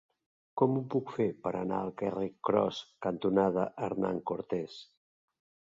Com ho puc fer per anar al carrer Cros cantonada Hernán Cortés?